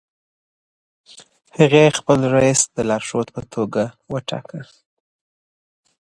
هغې خپل رییس د لارښود په توګه وټاکه.